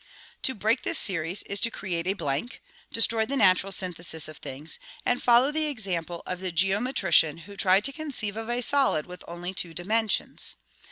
To break this series is to create a blank, destroy the natural synthesis of things, and follow the example of the geometrician who tried to conceive of a solid with only two dimensions.